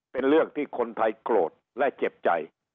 เป็นเรื่องที่คนไทยโกรธและเจ็บใจ